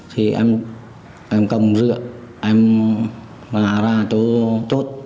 thì em cầm rượu em bà ra chỗ chốt